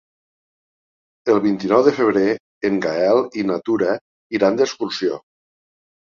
El vint-i-nou de febrer en Gaël i na Tura iran d'excursió.